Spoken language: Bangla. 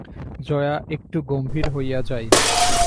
জয়া একটু গম্ভীর হইয়া যায়।